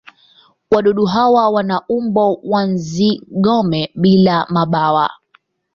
Wadudu hawa wana umbo wa nzi-gome bila mabawa.